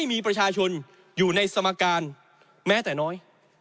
มีประชาชนอยู่ในสมการแม้แต่น้อย